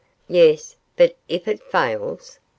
'Yes; but if it fails?